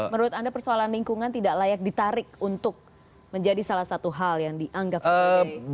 menurut anda persoalan lingkungan tidak layak ditarik untuk menjadi salah satu hal yang dianggap sebagai